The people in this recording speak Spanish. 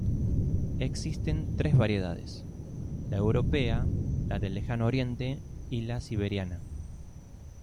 Existen tres variedades: la europea, la del Lejano Oriente y la siberiana.